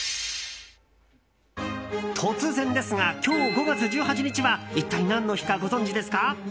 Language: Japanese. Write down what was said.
突然ですが、今日５月１８日は一体、何の日かご存じですか？